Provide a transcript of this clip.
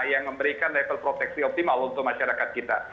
yang memberikan level proteksi optimal untuk masyarakat kita